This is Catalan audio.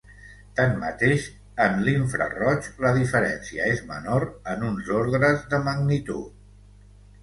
Tanmateix, en l'infraroig, la diferència és menor en uns ordres de magnitud.